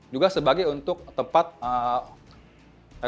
juga sebagai untuk tempat yang lebih mudah untuk menangani gelombang abrasi